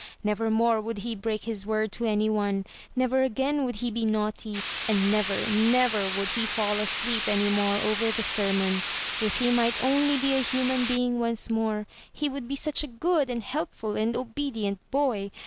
Nevermore would he break his word to any one; never again would he be naughty; and never, never would he fall asleep any more over the sermon. If he might only be a human being once more, he would be such a good and helpful and obedient boy.